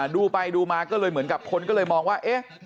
ดูไปดูมาก็เลยเหมือนกับคนก็เลยมองว่าเอ๊ะ